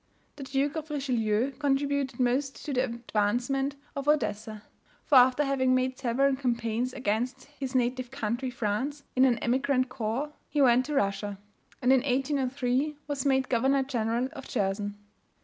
The Duke of Richelieu contributed most to the advancement of Odessa; for after having made several campaigns against his native country (France) in an emigrant corps, he went to Russia; and in 1803 was made governor general of Cherson.